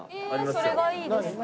それがいいですね。